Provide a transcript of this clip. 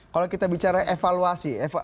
kalau kita bicara evaluasi